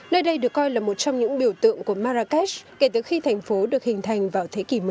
nơi đây được coi là một trong những biểu tượng của marrakesh kể từ khi thành phố được hình thành vào thế kỷ một mươi